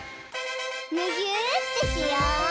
むぎゅーってしよう！